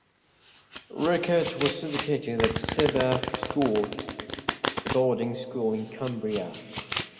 Rickitt was educated at Sedbergh School, a boarding school in Cumbria.